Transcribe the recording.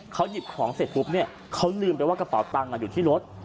เขาหยิบของเสร็จปุ๊บเนี่ยเขาลืมไปว่ากระเป๋าตังค์อยู่ที่รถ